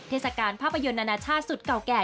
เทศกาลภาพยนตร์นานาชาติสุดเก่าแก่